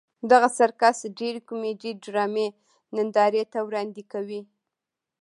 دغه سرکس ډېرې کومیډي ډرامې نندارې ته وړاندې کوي.